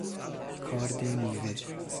کارد میوه